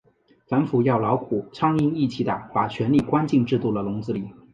反腐要老虎、苍蝇一起打，把权力关进制度的笼子里。